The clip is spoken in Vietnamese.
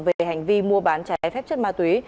về hành vi mua bán trái phép chất ma túy